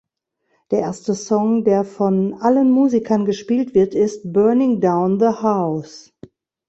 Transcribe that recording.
Der erste Song, der von allen Musikern gespielt wird, ist "Burning Down The House".